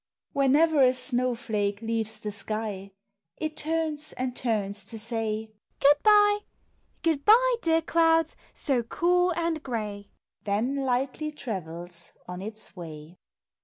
Whenever a snow flake leaves the sky, It turns and turns to say " Good bye ! Good bye, dear clouds, so cool and gray !" Then lightly travels on its way.